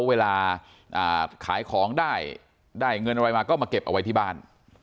เวลาขายของได้ได้เงินอะไรมาก็มาเก็บเอาไว้ที่บ้าน